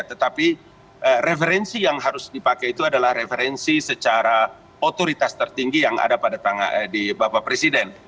tetapi referensi yang harus dipakai itu adalah referensi secara otoritas tertinggi yang ada pada tangan di bapak presiden